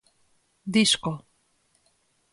Disco.